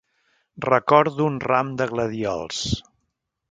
Recordo un ram de gladiols.